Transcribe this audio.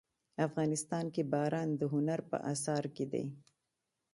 افغانستان کې باران د هنر په اثار کې دي.